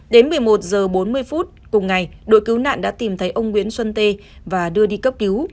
đến một mươi một h bốn mươi phút cùng ngày đội cứu nạn đã tìm thấy ông nguyễn xuân tê và đưa đi cấp cứu